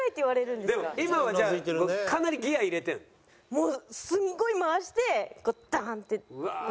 もうすごい回してこうダーン！って出す。